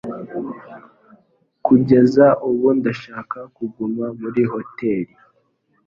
Kugeza ubu, ndashaka kuguma muri hoteri.